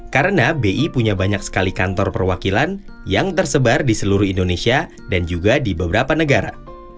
karena bi punya banyak sekali kantor perwakilan yang tersebar di seluruh indonesia dan juga di beberapa negara